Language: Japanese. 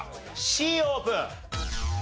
Ｃオープン！